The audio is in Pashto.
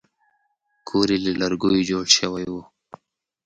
کور یې له لرګیو جوړ شوی و.